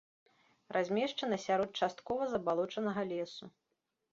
Размешчана сярод часткова забалочанага лесу.